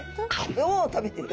おお食べてる。